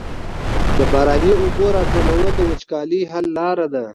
د باراني اوبو راټولول د وچکالۍ حل لاره ده.